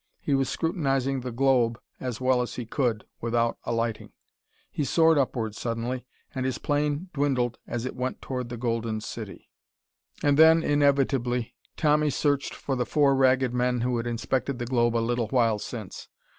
He was scrutinizing the globe as well as he could without alighting. He soared upward, suddenly, and his plane dwindled as it went toward the Golden City. And then, inevitably, Tommy searched for the four Ragged Men who had inspected the globe a little while since.